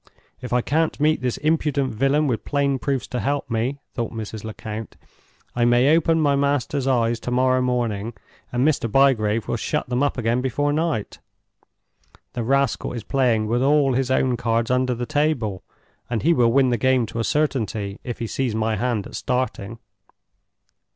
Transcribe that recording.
"If I can't meet this impudent villain with plain proofs to help me," thought Mrs. Lecount, "I may open my master's eyes to morrow morning, and Mr. Bygrave will shut them up again before night. The rascal is playing with all his own cards under the table, and he will win the game to a certainty, if he sees my hand at starting."